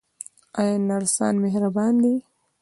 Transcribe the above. آیا نرسان مهربان دي؟